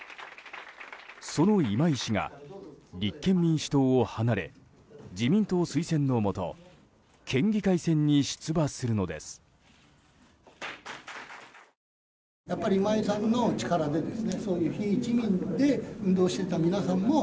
その今井氏が立憲民主党を離れ自民党推薦のもと県議会選に出馬するのです。